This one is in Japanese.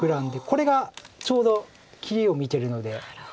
これがちょうど切りを見てるので。